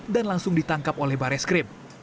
dan langsung ditangkap oleh bareskrim